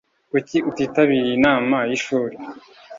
Kuki utitabiriye inama y'ishuri?